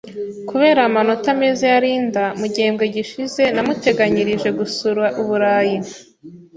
Kubera amanota meza ya Linda mu gihembwe gishize, namuteganyirije gusura Uburayi.